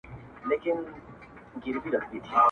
دیدن د بادو پیمانه ده٫